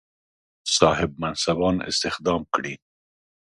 صاحب منصبان استخدام کړي.